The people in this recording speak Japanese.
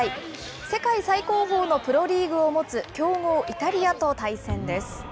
世界最高峰のプロリーグを持つ強豪、イタリアと対戦です。